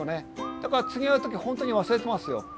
だから次会う時本当に忘れてますよ。